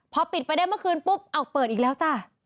พอปิดไปได้เมื่อคืนปุ๊บเอาเปิดอีกแล้วจ้ะ